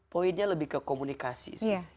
poinnya lebih ke komunikasi